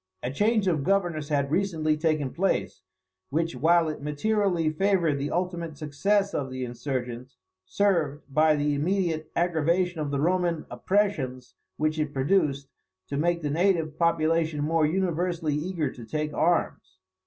A change of governors had recently taken place, which, while it materially favoured the ultimate success of the insurgents, served, by the immediate aggravation of the Roman oppressions which it produced, to make the native population more universally eager to take arms.